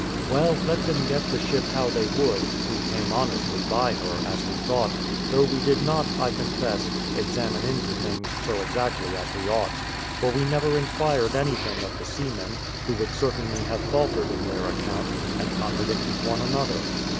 Well, let them get the ship how they would, we came honestly by her, as we thought, though we did not, I confess, examine into things so exactly as we ought; for we never inquired anything of the seamen, who would certainly have faltered in their account, and contradicted one another.